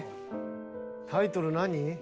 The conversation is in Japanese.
タイトル何？